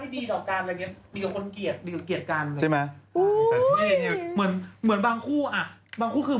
เป็นสถานภาพที่ดีต่อกันอะไรอย่างนี้